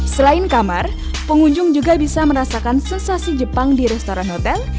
selain kamar pengunjung juga bisa merasakan sensasi jepang di restoran hotel